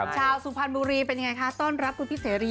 สุพรรณบุรีเป็นยังไงคะต้อนรับคุณพี่เสรี